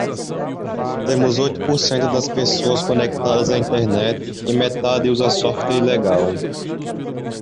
Temos oito por cento das pessoas conectadas à Internet e metade usa software ilegal.